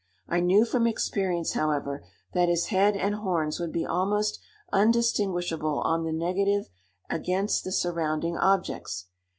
I knew from experience, however, that his head and horns would be almost undistinguishable on the negative against the surrounding objects.